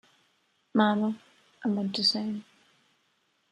Mama, I Want to Sing!